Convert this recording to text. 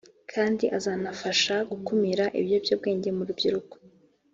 kandi azanafasha gukumira ibiyobyabwenge mu rubyiruko